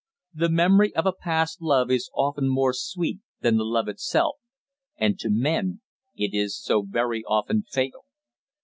The memory of a past love is often more sweet than the love itself and to men it is so very often fatal.